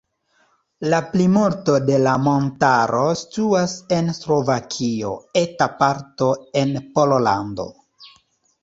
La plimulto de la montaro situas en Slovakio, eta parto en Pollando.